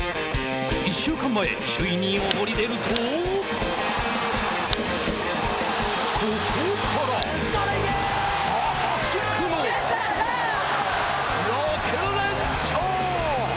１週間前、首位に躍り出るとここから破竹の６連勝。